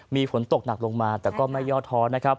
มีฝนตกหนักลงมาแต่ก็ไม่ยอดท้อน